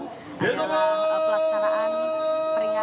adalah pelaksanaan peringatan